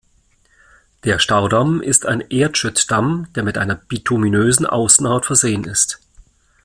Der Staudamm ist ein Erdschüttdamm, der mit einer bituminösen Außenhaut versehen ist.